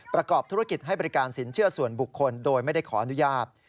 ประกอบธุรกิจให้บริการสินเชื่อส่วนบุคคลโดยไม่ได้ขออนุญาต